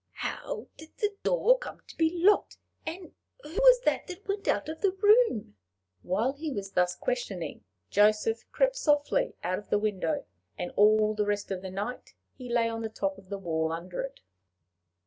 "How did the door come to be locked? And who was that went out of the room?" While he was thus questioning, Joseph crept softly out of the window; and all the rest of the night he lay on the top of the wall under it.